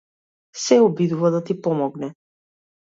Се обидува да ти помогне.